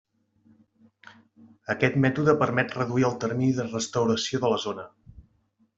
Aquest mètode permet reduir el termini de restauració de la zona.